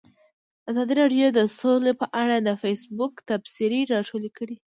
ازادي راډیو د سوله په اړه د فیسبوک تبصرې راټولې کړي.